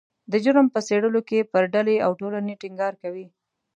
د جرم په څیړلو کې پر ډلې او ټولنې ټینګار کوي